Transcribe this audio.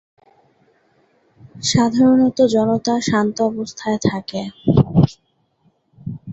সাধারণ জনতা শান্ত অবস্থায় থাকে।